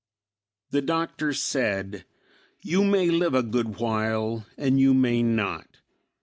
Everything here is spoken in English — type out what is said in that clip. The Doctor said, "You may live a good while, and you may not.